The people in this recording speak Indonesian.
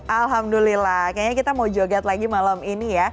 alhamdulillah kayaknya kita mau joget lagi malam ini ya